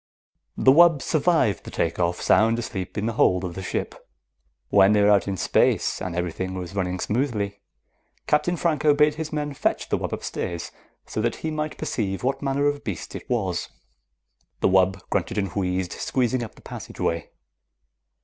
The wub survived the take off, sound asleep in the hold of the ship. When they were out in space and everything was running smoothly, Captain Franco bade his men fetch the wub upstairs so that he might perceive what manner of beast it was. The wub grunted and wheezed, squeezing up the passageway.